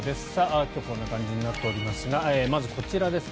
今日はこんな感じになっておりますがまずこちらですね。